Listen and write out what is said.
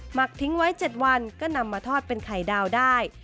หักทิ้งไว้๗วันก็นำมาทอดเป็นไข่ดาวได้